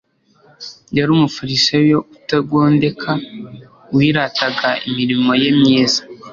Yari umufarisayo utagondeka, wirataga imirimo ye myiza.